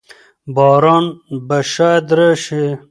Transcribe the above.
باران به شاید راشي.